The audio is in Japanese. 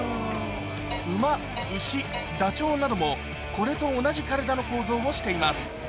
ウマ、牛、ダチョウなども、これと同じ体の構造をしています。